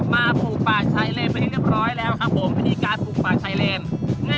มาปลูกปากไชเรนไปเรียบร้อยแล้วครับผมวิธีการปลูกปากไชเรน